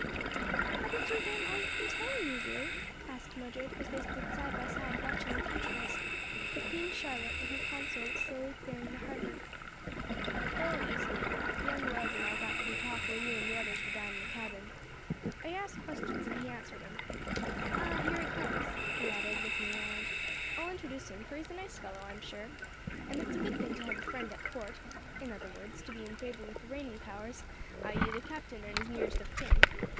"HOW did you learn all you've been telling me, Ru.?" asked Mildred as they stood side by side watching with interest the Queen Charlotte and her consorts slowly clearing the harbor. "Oh, easily enough; young Wells and I got into talk while you and the others were down in the cabin; I asked questions and he answered 'em. Ah, here he comes," he added looking round, "I'll introduce him for he's a nice fellow, I'm sure, and it's a good thing to have a friend at court; in other words to be in favor with the reigning powers; i. e. the captain and his nearest of kin.